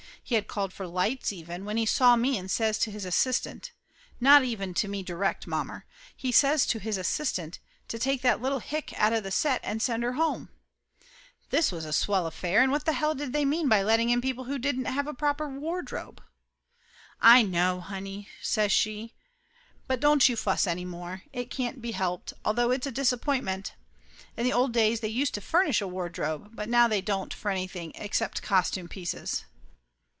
He had called for lights, even, when he saw me and says to his assistant not even to me direct, mommer he says to his assistant to take that little hick out of the set and send her 132 Laughter Limited home this was a swell affair and what the hell did they mean by letting in people who didn't have a proper wardrobe?" "I know, honey!" says she. "But don't you fuss any more. It can't be helped, although it's a disap pointment. In the old days they used to furnish a wardrobe, but now they don't for anything except cos tume pieces."